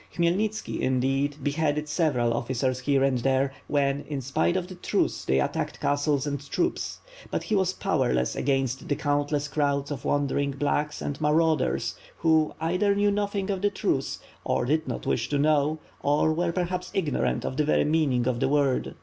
Khymelnitski, indeed, beheaded several officers here and there, when, in spite of the truce, they attacked castles and troops; but he was powerless against the count 624 WITH FIRE AND SWORD. 625 lees crowds of wandering *T)lacks'* and marauders who, either knew nothing of the truce, or did not wish to know, or were perhaps ignorant of the very meaning of the word.